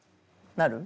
なる？